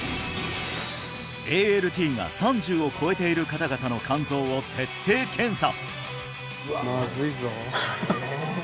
ＡＬＴが３０を超えている方々の肝臓を徹底検査！